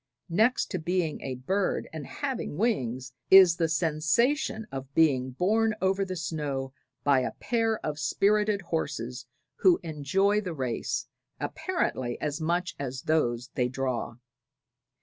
Next to being a bird, and having wings, is the sensation of being borne over the snow by a pair of spirited horses who enjoy the race, apparently, as much as those they draw.